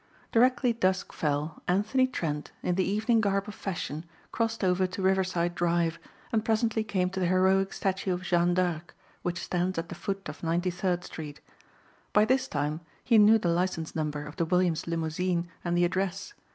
Directly dusk fell Anthony Trent, in the evening garb of fashion, crossed over to Riverside Drive and presently came to the heroic statue of Jeanne d'Arc which stands at the foot of Ninety third Street. By this time he knew the license number of the Williams' limousine and the address.